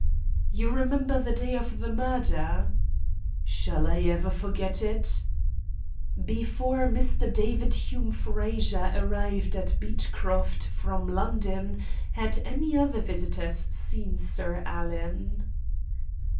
"You remember the day of the murder?" "Shall I ever forget it?" "Before Mr. David Hume Fraser arrived at Beechcroft from London, had any other visitors seen Sir Alan?"